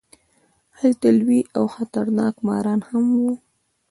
هلته لوی او خطرناک ماران هم وو.